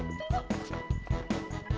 kita bukan anak sekolah